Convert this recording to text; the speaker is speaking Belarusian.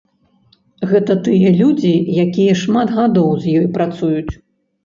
Гэта тыя людзі, якія шмат гадоў з ёй працуюць.